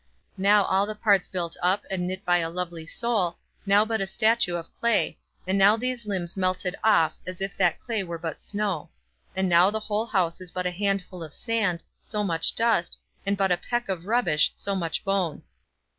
Now all the parts built up, and knit by a lovely soul, now but a statue of clay, and now these limbs melted off, as if that clay were but snow; and now the whole house is but a handful of sand, so much dust, and but a peck of rubbish, so much bone.